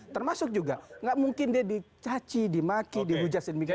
termasuk juga nggak mungkin dia dicaci dimaki dihujat sedemikian